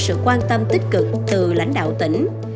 sự quan tâm tích cực từ lãnh đạo tỉnh